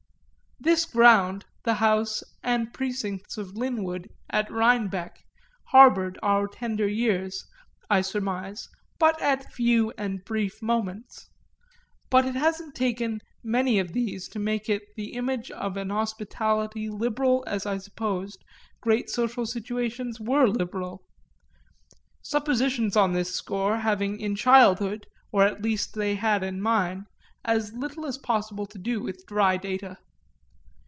This ground, the house and precincts of Linwood, at Rhinebeck, harboured our tender years, I surmise, but at few and brief moments; but it hadn't taken many of these to make it the image of an hospitality liberal as I supposed great social situations were liberal; suppositions on this score having in childhood (or at least they had in mine) as little as possible to do with dry data.